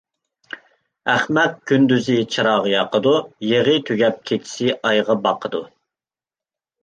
ئەخمەق كۈندۈزى چىراغ ياقىدۇ، يېغى تۈگەپ كېچىسى ئايغا باقىدۇ.